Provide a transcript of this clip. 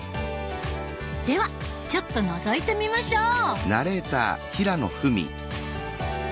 ではちょっとのぞいてみましょう！